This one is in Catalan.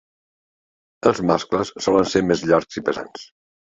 Els mascles solen ser més llargs i pesants.